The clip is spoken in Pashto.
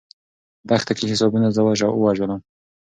په دښته کې حسابونو زه ووژلم.